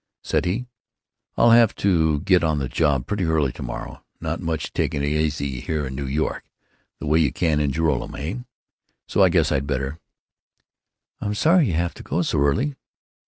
Said he: "I'll have to get on the job pretty early to morrow. Not much taking it easy here in New York, the way you can in Joralemon, eh? So I guess I'd better——" "I'm sorry you have to go so early."